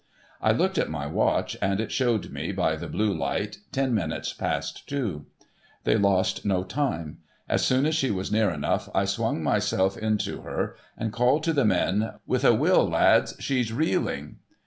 I looked at my watch, and it showed me, by the blue light, ten minutes past two. They lost no lime. .'\s soon as she was near enough, I swung myself into Irt, and called to the men, 'With a will, lads! She's reeling!'